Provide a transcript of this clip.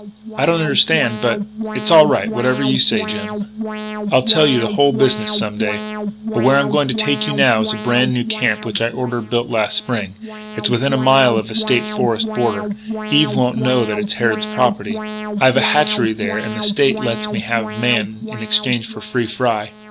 "I don't understand, but it's all right whatever you say, Jim." "I'll tell you the whole business some day. But where I'm going to take you now is into a brand new camp which I ordered built last spring. It's within a mile of the State Forest border. Eve won't know that it's Harrod property. I've a hatchery there and the State lets me have a man in exchange for free fry.